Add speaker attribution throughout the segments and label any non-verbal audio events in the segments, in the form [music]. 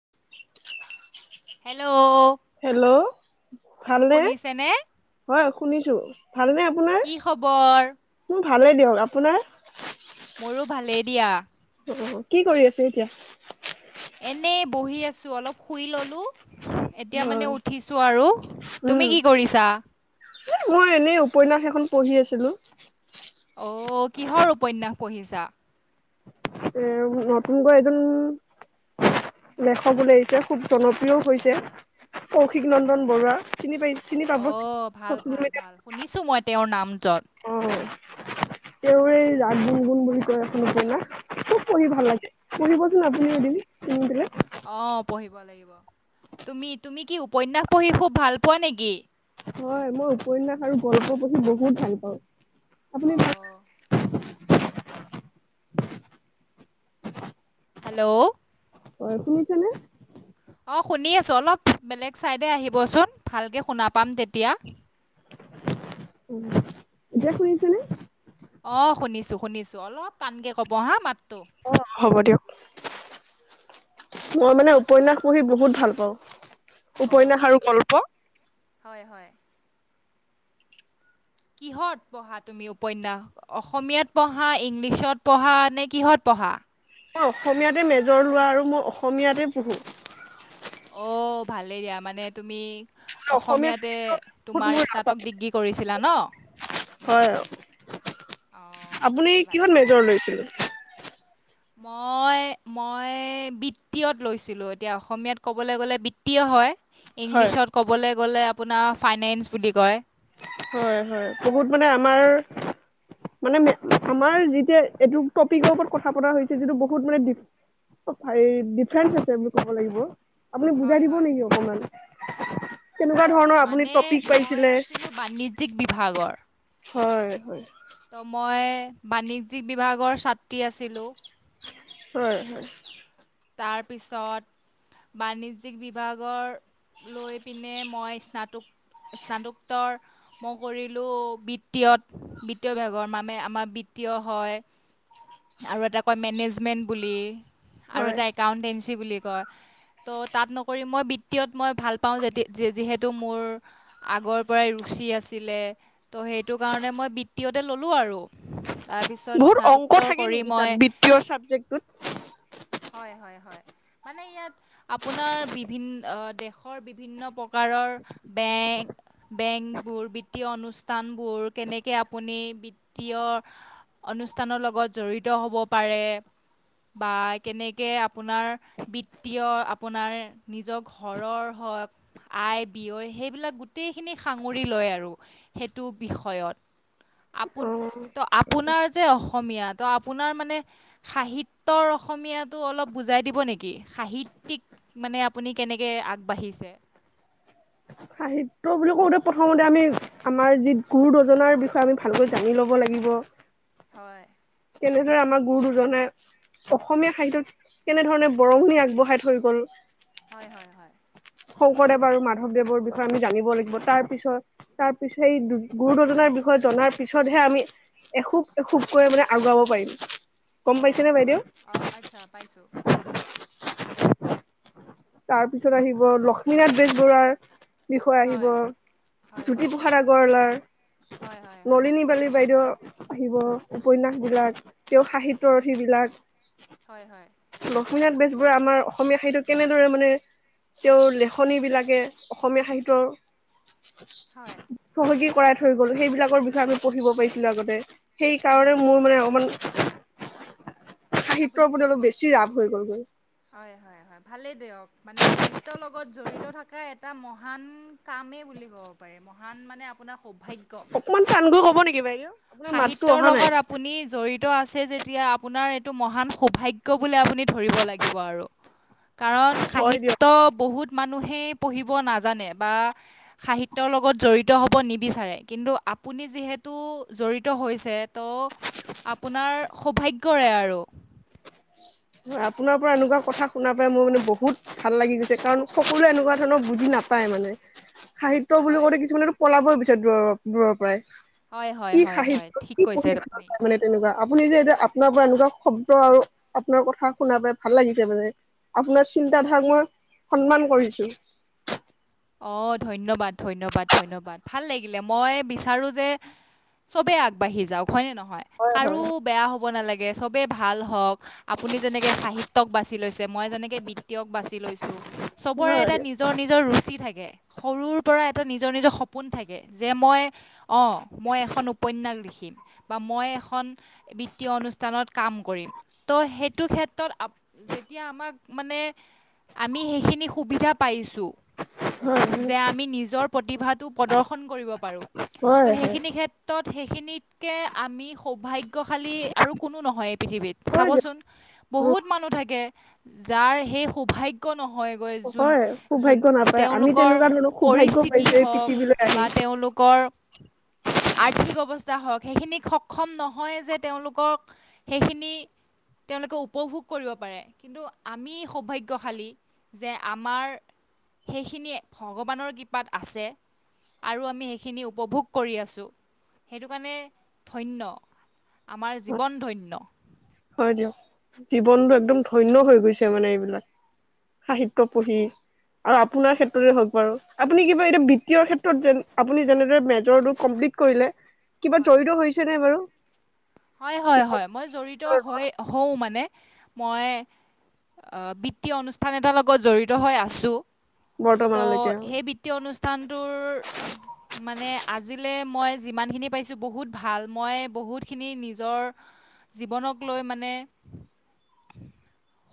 Speaker 1: [unintelligible]
Speaker 2: Hello
Speaker 1: ভাল নে ওম শুনিছোঁ
Speaker 2: কি খবৰ
Speaker 1: ভালে দিয়ক আপোনাৰ
Speaker 2: মোৰো ভালেই ইদিয়া
Speaker 1: অ কি কৰি আছো এতিয়া
Speaker 2: এনে বহি আছো অলপ শুই ললো এতিয়া মানে
Speaker 1: হয়
Speaker 2: উঠিছো আৰু তুমি
Speaker 1: উম
Speaker 2: কি কৰিছা
Speaker 1: খন পঢ়ি আছিলো
Speaker 2: অ' কিহৰ উপন্যাস পঢ়িছা।
Speaker 1: এ নতুনকৈ এজন লেখক ওলাইছে খুব জনপ্ৰিয় হৈছে কৌশিক নন্দন বৰুৱা চিনি পাই--। চিনি পাব
Speaker 2: অ ভাল
Speaker 1: চচিয়েল
Speaker 2: ভাল
Speaker 1: মিডিয়াত
Speaker 2: ভাল শুনিছো মই তেওঁৰ নাম জ।
Speaker 1: অ তেওঁৰে ৰাগ গুণ গুণ বুলি কয় এখন উপন্যাস । খুব পঢ়ি ভাল
Speaker 2: হয়
Speaker 1: লাগে পঢ়িবচোন আপুনিও
Speaker 2: অ'
Speaker 1: এদিন সময় পালে।
Speaker 2: গব তুমি তুমি কি উপন্যাস পঢ়ি খুব ভাল পোৱা নেকি?
Speaker 1: হয় মই উপন্যাস আৰু গল্প পঢ়ি বহুত ভাল পাওঁ। আপুনি ভাল
Speaker 2: অ' হেল্ল'
Speaker 1: অ শুনিছেনে
Speaker 2: অঁ শুনি আছোঁ অলপ বেলেগ ছাইডে আহিবচোন ভালকে শুনা পাম তেতিয়া।
Speaker 1: উম এতিয়া শুনিছেনে?
Speaker 2: অ শুনিছো শুনিছো অলপ টানকে কব হা মাত।
Speaker 1: অ হ'ব দিয়ক। মই মানে উপন্যাস পঢ়ি বহুত ভাল পাওঁ। উপন্যাস
Speaker 2: অ',
Speaker 1: আৰু গল্প।
Speaker 2: হয় হয়। কিহত পঢ়া তুমি উপন্যাস অসমীয়াত পঢ়া ইংলিছত পঢ়া নে কিহত পঢ়া।
Speaker 1: মই অসমীয়াতে মেজৰ লোৱা আৰু মই অসমীয়াতে পঢ়োঁ।
Speaker 2: অ ভালেই দিয়া মানে তুমি
Speaker 1: অসমীয়া
Speaker 2: অসমীয়াতে
Speaker 1: সাহিত্যত বহুত
Speaker 2: তোমাৰ
Speaker 1: মোৰ ৰাপ
Speaker 2: স্নাতক ডিগ্ৰী কৰিছিলা ন?
Speaker 1: আছিলে হয়
Speaker 2: অ',
Speaker 1: আপুনি
Speaker 2: ভালেই ভালেই।
Speaker 1: কিহত মেজৰ লৈছিলে ।
Speaker 2: মই মই বিত্তীয়ত লৈছিলো এতিয়া অসমীয়াত ক'বলৈ গ'লে বৃত্তীয় হয়
Speaker 1: হয়,
Speaker 2: ইংলিছত ক'বলৈ গলে আপোনাৰ ফাইনেন্স বুলি কয়
Speaker 1: হয় হয় বহুত মানে আমাৰ
Speaker 2: হয়
Speaker 1: মানে আমাৰ যেতিয়া এইটো টপিকৰ ওপৰত কথা পতা হৈছে যিটো বহুত মানে ডিফাৰেন্ঞ্চ আছে বুলি কব লাগিব আপুনি
Speaker 2: হয়
Speaker 1: বুজাই দিব
Speaker 2: হয়।
Speaker 1: নেকি অকমান? কেনেকুৱা
Speaker 2: অ'
Speaker 1: ধৰণৰ আপুনি টপিক পাইছিলে ।
Speaker 2: জ্যিক বিভাগৰ
Speaker 1: হয় হয়।
Speaker 2: ত' মই বাণিজ্যিক বিভাগৰ ছাত্ৰী আছিলো।
Speaker 1: হয়।
Speaker 2: তাৰপিছত বাণিজ্যিক বিভাগৰ লৈ পিনে মই স্নাত স্নাতোত্তৰ মই কৰিলোঁ বিত্তীয়ত বিত্তীয় বিভাগৰ মামে আমাৰ বিত্তীয় অ হয় আৰু এটা কয় মেনেজমেণ্ট বুলি। আৰু
Speaker 1: হয়।
Speaker 2: এটা একাউণ্টেঞ্চি। বুলি কয় ত' তাত নকৰি মই বিত্তীয়ত মই ভাল পাওঁ যিহেতু মোৰ আগৰ পৰাই ৰুচি আছিলে। ত' সেইটো কাৰণে মই বিত্তীয়ত তে ল'লোঁ আৰু তাৰপিছত
Speaker 1: বহুত অংক
Speaker 2: স্নাতকোত্তৰ
Speaker 1: থাকে
Speaker 2: কৰি
Speaker 1: নেকি?
Speaker 2: মই
Speaker 1: তাত বিত্তীয় চাবজেক্টত
Speaker 2: হয় হয়। মানে ইয়াত আপোনাৰ বিভিন্ন অ দেশৰ বিভিন্ন প্ৰক -কাৰৰ বেংক বেংকবোৰ, বিত্তীয় অনুষ্ঠানবোৰ, কেনেকৈ আপুনি বিত্তীয় অনুষ্ঠানৰ লগত জড়িত হ'ব পাৰে বা কেনেকৈ আপোনাৰ বৃত্তীয়, আপোনাৰ নিজৰ ঘৰৰ হওক আয়-ব্যয় সেইবিলাক গোটেইখিনি সাঙুৰি লয় আৰু সেইটো বিষয়ত। আপুন
Speaker 1: অ',
Speaker 2: টো আপ আপোনাৰ যে অসমীয়া, টো' আপোনাৰ মানে সাহিত্যৰ অসমীয়াটো অলপ বুজাই দিব নেকি, সাহিত্যিক, মানে আপুনি কেনেকৈ আগবাঢ়িছে?
Speaker 1: সাহিত্য বুলি কওঁতে, প্ৰথমতে আমি আমাৰ যি গুৰুদুজনাৰ বিষয়ে আমি ভালকৈ জানি লব লাগিব।
Speaker 2: হয়।
Speaker 1: কেনেদৰে আমাৰ গুৰু দুজনে অসমীয়া সাহিত্যত কেনেধৰণে বৰঙণি আগবঢ়াই থৈ গল?
Speaker 2: হয় হয় হয়।
Speaker 1: শংকৰদেৱ আৰু মাধৱদেৱৰ বিষয়ে আমি জানিব লাগিব। তাৰ পিছত তাৰ পিছত এই গুৰুদুজনাৰ বিষয়ে জনাৰ পিছতহে আমি এখোব এখোবকৈ মানে আগুৱাব পাৰিম। গম পাইছেনে
Speaker 2: অ'।
Speaker 1: বাইদেউ?
Speaker 2: আহ আচ্ছা পাইছো।
Speaker 1: তাৰ পিছত আহিব লক্ষ্মীনাথ বেজবৰুৱাৰ -বিষয় আহিব,
Speaker 2: হয় হয় হয়
Speaker 1: জ্যোতিপ্ৰসাদ আগৰৱালাৰ,
Speaker 2: হয় হয় হয়
Speaker 1: নলিনী ৱালা বাইদেউ, -আহিব, উপন্যাস বিলাক। তেওঁ সাহিত্যৰথী বিলাক।
Speaker 2: হয়
Speaker 1: লক্ষ্মীনাথ বেজবৰুৱা আমাৰ অসমীয়া সাহিত্যই কেনেদৰে মানে, তেওঁৰ লেখনী বিলাকে অসমীয়া সাহিত্যৰ
Speaker 2: হয় হয়
Speaker 1: -চহকী কৰাত হৈ গল, সেইিলাকৰ বিষয়ে আমি পঢ়িব পাৰিছিলো আগতে।
Speaker 2: হয়
Speaker 1: সেইকাৰণে
Speaker 2: হয়
Speaker 1: মোৰ মানে অকনমান
Speaker 2: আপুনি
Speaker 1: সাহিত্যৰ প্ৰতি অলপ বেছি ৰাপ। হৈ গ'লগৈ।
Speaker 2: হয় হয় হয়। ভালেই দিয়ক। মানে সাহিত্যৰ লগত জড়িত থকা এটা মহান কামেই বুলি ক'ব পাৰি। মহান মানে আপোনাৰ সৌভাগ্য
Speaker 1: অকনমান টান কৈ কওক। কব নেকি বাইদেউ? আপোনাৰ মাততো
Speaker 2: সাহিত্যৰ
Speaker 1: অহা নাই
Speaker 2: লগত আপুনি জড়িত আছে যেতিয়া আপোনাৰ এইটো মহান সৌভাগ্য বুলি আপুনি ভৰিব লাগিব আৰু। কাৰণ
Speaker 1: হয় দিয়ক
Speaker 2: সাহিত্য বহুত মানুহে পঢ়িব নাজানে বা সাহিত্যৰ লগত জড়িত হ'ব নিবিচাৰে। কিন্তু আপুনি যিহেতু জড়িত হৈছে, ত' আপোনাৰ সৌভাগ্যৰে আৰু।
Speaker 1: ধৰা আপোনাৰ পৰা এনেকুৱা কথা শুনা পাই মোৰ মানে বহুত ভাল লাগি গৈছে, কাৰণ সকলোৱে এনেকুৱা ধৰণৰ বুজি নাপায় মানে। সাহিত্য বুলি
Speaker 2: হয়
Speaker 1: ক'লে কিছুমানেটো পলাবলৈ বিচাৰে দূৰৰ দূৰৰ পৰাই।
Speaker 2: হয় হয়
Speaker 1: কি
Speaker 2: হয় হয়
Speaker 1: সাহিত্য?
Speaker 2: ঠিক
Speaker 1: কি
Speaker 2: কৈছে
Speaker 1: পঢ়ি ভাল
Speaker 2: আপুনি
Speaker 1: পায়? মানে তেনেকুৱা। আপুনি যে, এতিয়া আপোনাৰ পৰা এনেকুৱা শব্দ আৰু আপোনাৰ কথা শুনা পাই ভাল লাগিছে মানে। আপোনাৰ চিন্তাধাৰা মই সন্মান কৰিছো।
Speaker 2: অ ধন্যবাদ ধন্যবাদ ধন্যবাদ ভাল লাগিলে মই বিচাৰো যে- চবে আগবাঢ়ি যাওক হয়নে নহয়?
Speaker 1: হয় হয়
Speaker 2: কাৰো বেয়া হব নালাগে। চবেই ভাল হওক আপুনি যেনেকে সাহিত্যক বাছি লৈছে মই যেনেকে বৃত্তীয়ক বাছি লৈছোঁ। চবৰে
Speaker 1: হয়
Speaker 2: এটা
Speaker 1: দিয়ক
Speaker 2: নিজৰ নিজৰ ৰুচিত। থাকে সৰুৰ পৰা এটা নিজৰ নিজৰ সপোন থাকে যে, মই অ মই এখন উপন্যাস লিখিম বা মই এখন বিত্তীয় অনুষ্ঠানত কাম কৰিম। ত' সেইটো ক্ষেত্ৰত যেতিয়া আমাক মানে আমি সেইখিনি সুবিধা পাইছোঁ ।
Speaker 1: হয়
Speaker 2: যে আমি নিজৰ প্ৰতিভাটো প্ৰদৰ্শন কৰিব পাৰোঁ ত'
Speaker 1: হয় হয়
Speaker 2: সেইখিনি ক্ষেত্ৰত । সেইখিনিতকে আমি সৌভাগ্য শালী আৰু কোনো নহয়। পৃথিৱীত
Speaker 1: হয় দিয়ক
Speaker 2: চাবচোন বহুত মানুহ থাকে যাৰ সেই সৌভাগ্য নহয়গৈ
Speaker 1: অ
Speaker 2: যোন
Speaker 1: হয়
Speaker 2: যোন।
Speaker 1: সৌভাগ্য নাপায় আমি
Speaker 2: তেওঁলোকৰ
Speaker 1: তেনেকুৱা ধৰণৰ সৌভাগ্য
Speaker 2: পৰিস্থিতি
Speaker 1: পাইছো এই
Speaker 2: হওক
Speaker 1: পৃথিৱীলৈ আহি
Speaker 2: বা তেওঁলোকৰ। আৰ্থিক অৱস্থা হওঁক সেইখিনিক সক্ষম নহয় যে তেওঁলোকক সেইখিনি তেওঁলোকে উপভোগ কৰিব পাৰে, কিন্তু আমি সৌভাগ্যশালী যে আমাৰ। সেইখিনিয়ে ভগৱানৰ কৃপাত আছে আৰু আমি সেইখিনি উপভোগ কৰি আছোঁ। সেইটো কাৰণে ধন্য আমাৰ জীৱন ধন্য।
Speaker 1: ব্ৰিয়, জীৱনটো একদম ধন্য হৈ গৈছে মানে এইবিলাক সাহিত্য পঢ়ি আৰু আপোনাৰ ক্ষেত্ৰতে হওক বাৰু। আপুনি কিবা এতিয়া বৃত্তিয়ৰ ক্ষেত্ৰত যে আপুনি যেনেদৰে মেজৰটো কমপ্লিট কৰিলে। কিবা
Speaker 2: হয়
Speaker 1: জড়িত হৈছে নে বাৰু?
Speaker 2: হয় হয় হয় মই জড়িত। হয় হওঁ মানে মই বৃত্তি অনুষ্ঠান এটাৰ লগত জড়িত হৈ আছোঁ। ত'
Speaker 1: বৰ্তমানলৈকে
Speaker 2: সেই বিত্তীয় অনুষ্ঠানটোৰ মানে। আজিলৈ মই যিমানখিনি পাইছোঁ বহুত ভাল মই বহুত। খিনি নিজৰ জীৱনক লৈ মানে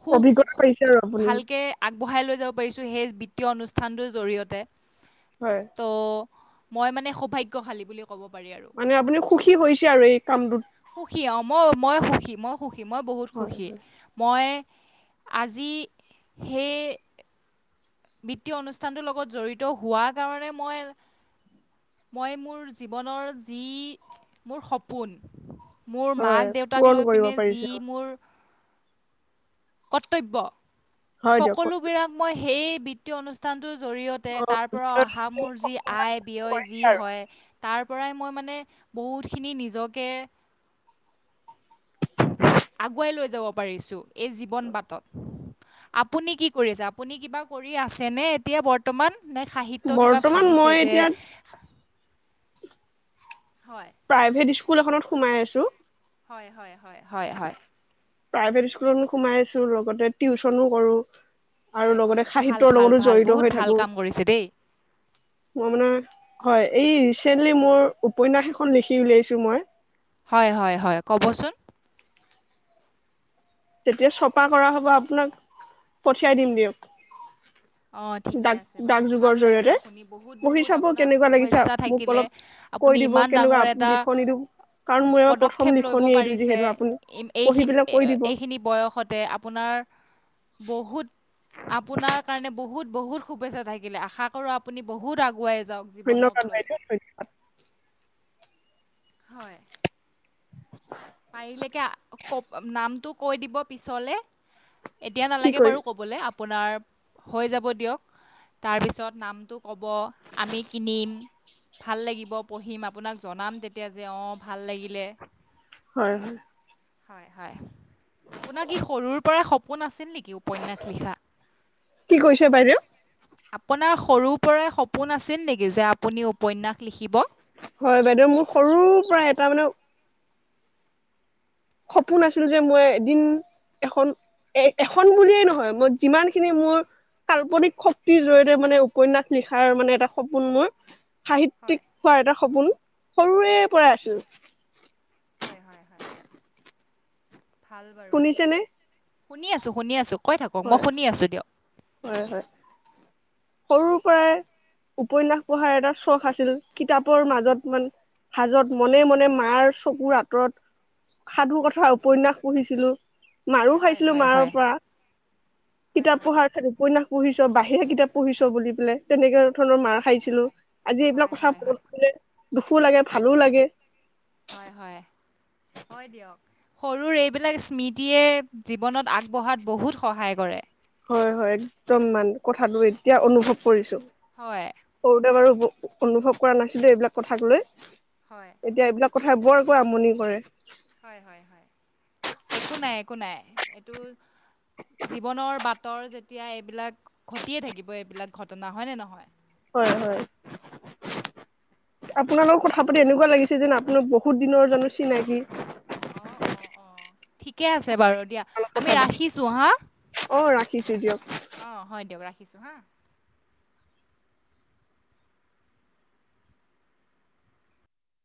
Speaker 2: সু
Speaker 1: অভিজ্ঞতা পাইছে আৰু আপুনি
Speaker 2: ভালকে আগবঢ়াই লৈ যাব পাৰিছো। সেই বিত্তীয় অনুষ্ঠানটোৰ জৰিয়তে।
Speaker 1: হয়।
Speaker 2: তো মই মানে সৌভাগ্যশালী বুলি ক'ব পাৰি আৰু
Speaker 1: মানে আপুনি সুখী হৈছে আৰু এই কামটোত
Speaker 2: সুখী অ মই মই সুখী মই। সুখী মই বহুত
Speaker 1: হয়
Speaker 2: সুখী। মই আজি সেই, বৃত্তীয় অনুষ্ঠানটোৰ লগত জড়িত হোৱা কাৰণে মই, মই মোৰ জীৱনৰ যি মোৰ সপোন, মোৰ
Speaker 1: হয়
Speaker 2: মাক দেউতাক
Speaker 1: পূৰণ
Speaker 2: লৈ
Speaker 1: কৰিব
Speaker 2: পিনে যি
Speaker 1: পাৰিছে
Speaker 2: মোৰ কৰ্তব্য
Speaker 1: হয় দিয়ক
Speaker 2: সকলো বিলাক মই সেই বিত্তীয় অনুষ্ঠান টোৰ জৰিয়তে তাৰ পৰা অহা মোৰ যি আয় ব্যয় যি হয় তাৰ ই মই মানে বহুতখিনি নিজকে, আগুৱাই লৈ যাব পাৰিছো। এই জীৱন বাটত। আপুনি কি কৰিছে? আপুনি কিবা কৰি আছে নে এতিয়া বৰ্তমান? নে সাহিত্য কিবা
Speaker 1: বৰ্তমান
Speaker 2: ভাবিছে
Speaker 1: মই
Speaker 2: যে
Speaker 1: এতিয়া
Speaker 2: হয়
Speaker 1: প্ৰাইভেট স্কুল স্কুল এখনত সোমাই আছো।
Speaker 2: হয় হয় হয় হয় হয় ।
Speaker 1: প্ৰাইভেট স্কুলত সোমাই আছো লগতে টিউচনো কৰো । আৰু
Speaker 2: হয় হয়
Speaker 1: লগতে
Speaker 2: ভাল
Speaker 1: সাহিত্যয়ৰ
Speaker 2: ভাল
Speaker 1: লগতো
Speaker 2: ভাল
Speaker 1: জড়িত
Speaker 2: বহুত
Speaker 1: হৈ
Speaker 2: ভাল
Speaker 1: থাকো।
Speaker 2: কাম কৰিছে দেই
Speaker 1: মই মানে হয় এই ৰিচেন্টলি মোৰ উপন্যাস এখন লিখি উলিয়াইছো মই।
Speaker 2: হয় হয় হয় কবচোন,
Speaker 1: তেতিয়া চপা কৰা হ'ব আপোনাক পঠিয়াই দিম দিয়ক ।
Speaker 2: অ ঠিকে আছে বাৰু, ভাল
Speaker 1: জৰিয়তে
Speaker 2: লাগিলে শুনি বহুত
Speaker 1: পঢ়ি
Speaker 2: বহুত
Speaker 1: চাব
Speaker 2: আপোনাক
Speaker 1: কেনেকুৱা লাগিছে
Speaker 2: শুভেচ্ছা
Speaker 1: মোক
Speaker 2: থাকিলে।
Speaker 1: অলপ কৈ
Speaker 2: আপুনি
Speaker 1: দিব
Speaker 2: ইমান
Speaker 1: কেনেকুৱা
Speaker 2: ডাঙৰ এটা
Speaker 1: লিখনিটো কাৰণ মোৰ এইবাৰ প্ৰথম
Speaker 2: পদক্ষেপ লব
Speaker 1: লিখনি এইটো
Speaker 2: পাৰিছে
Speaker 1: যিহেতু আপুনি পঢ়ি
Speaker 2: এইখিন
Speaker 1: পেলাই কৈ দিব
Speaker 2: এইখিনি বয়স সতে আপোনাৰ আপোনাৰ কাৰণে বহুত বহুত শুভেচ্ছা থাকিলে। আশা কৰো আপুনি বহুত আগ
Speaker 1: ধন্যবাদ বাইদেউ ধন্যবাদ।
Speaker 2: হয় । ক নামটো কৈ দিব পিছলে। এতিয়া
Speaker 1: কি
Speaker 2: নালাগে
Speaker 1: কৰি
Speaker 2: বাৰু ক'বলে। আ আপোনাৰ হৈ যাব দিয়ক, তাৰপিছত নামটো ক'ব, আমি কিনিম, ভাল লাগিব পঢ়িম আপোনাক জনাম তেতিয়া যে অঁ ভাল লাগিলে।
Speaker 1: হয় হয় ।
Speaker 2: হয়, হয় আপোনাৰ কিয সৰু পৰা সপোন আছিলনে কি উপন্যাস লিখা?
Speaker 1: কি কৰিছে বাইদেউ
Speaker 2: আপোনাৰ সৰু পৰাই সপোন আছিল নেকি যে আপুনি উপন্যাস লিখিব
Speaker 1: হয় বাইদেউ মোৰ সৰুৰ পৰা এটা মানে সপোন আছিল যে মই এদিন এখন এ এখন বুলিয়েই নহয় মই যিমান খিনি মোৰ কাল্পনিক শক্তিৰ জৰিয়তে মানে উপন্যাস লিখাৰ মানে এটা সপোন মোৰ সাহিত্যিক
Speaker 2: হয়
Speaker 1: হোৱাৰ এটা সপোন। সৰুৰে
Speaker 2: হয়
Speaker 1: পৰা আছিল।
Speaker 2: হয়, হয়, হয়। ভাল বাৰু।
Speaker 1: শুনিছেনে
Speaker 2: শুনি আছো, শুনি আছো। কৈ থাকক মই
Speaker 1: হয়
Speaker 2: শুনি আছোঁ দিয়ক।
Speaker 1: হয় হয় সৰুৰ পৰাই উপন্যাস পঢ়াৰ এটা চখ আছিল কিতাপৰ মাজত মান হাজত মনে মনে মাৰ চকুৰ আঁতৰত সাধু কথা উপন্যাস পঢ়িছিলো মাৰো
Speaker 2: হয়
Speaker 1: খাইছিলো
Speaker 2: হয়
Speaker 1: মাৰৰ
Speaker 2: হয়
Speaker 1: পৰা।
Speaker 2: হয়
Speaker 1: কিতাপ
Speaker 2: হয়
Speaker 1: পঢ়াৰ খা উপন্যা পঢ়িছ বাহিৰা কিতাপ পঢ়িছ বুলি পেলে তেনেককাে ধৰণৰ মাৰ খাইছিলো। আজি
Speaker 2: হয়
Speaker 1: এইবিলাক
Speaker 2: হয় হয়
Speaker 1: কথালে দুখো লাগে, ভালো লাগে।
Speaker 2: হয়, হয়, হয় দিয়ক সৰুৰ এইবিলাক স্মৃতিয়ে জীৱনত আগবঢ়াত বহুত সহায় কৰে।
Speaker 1: হয়, হয় একদম মান কথাটো এতিয়া অনুভৱ কৰিছো।
Speaker 2: হয়
Speaker 1: সৰুতে বাৰু অনুভৱ কৰা নাছিলো এইবিলাক কথাক লৈ।
Speaker 2: হয়
Speaker 1: এতিয়া এইবিলাক কথাই বৰকৈ আমনি কৰে।
Speaker 2: হয়, হয়, হয় একো নাই, একো নাই এইটো জীৱনৰ বাটৰ যেতিয়া এইবিলাক ঘটিয়ে থাকিব এইবিলাক ঘটনা হয় নে নহয়।
Speaker 1: হয়, হয় আপোনাৰ লগত কথা পাতি এনেকুৱা লাগিছে যেন আপোনাৰ বহুত দিনৰ জানো চিনাকি।
Speaker 2: অ', অ', অ', ঠিকে আছে বাৰু। দিয়া আমি
Speaker 1: কথা পাতি
Speaker 2: ৰাখিছো হা
Speaker 1: অ ৰাখিছো দিয়ক
Speaker 2: অ', হয় দিয়ক ৰাখ খিছো হা।